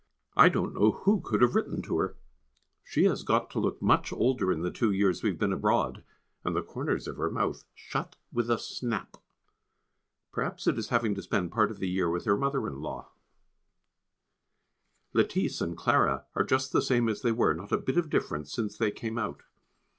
I don't know who could have written to her. She has got to look much older in the two years we have been abroad and the corners of her mouth shut with a snap. Perhaps it is having to spend part of the year with her mother in law. [Sidenote: Cousinly Curiosity] Lettice and Clara are just the same as they were, not a bit of difference since they came out.